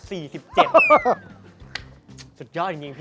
สุดยอดจริง